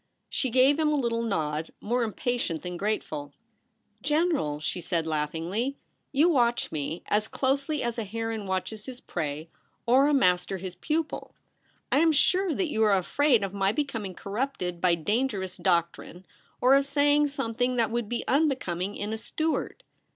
She gave him a little nod, more impatient than grateful. ' General,' she said laughingly, ' you watch me as closely as a heron watches his prey, or 18—2 276 THE REBEL ROSE. a master his pupil. I am sure that you are afraid of my becoming corrupted by dan gerous doctrine, or of saying something that would be unbecoming in a Stuart.